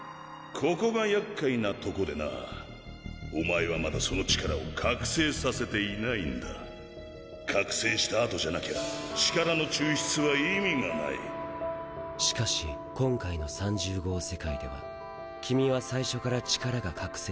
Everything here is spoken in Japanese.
ここが厄介なとこでなお前はまだその力を覚醒させていないんだ覚醒した後じゃなきゃ力の抽出は意味がなしかし今回の３０号世界では君は最初から力が覚醒している。